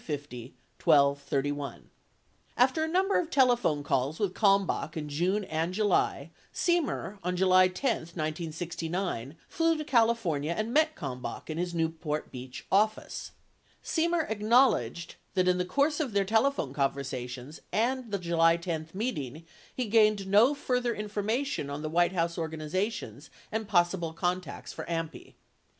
52 After a number of telephone calls with Kalmbach in June and July, Semer, on July 10, 1969, flew to California and met Kalmbach in his Newport Beach office. Semer acknowledged that in the course of their telephone conversations and the July 10 meeting, he gained no further information on the White House organization and possible contacts for AMPI.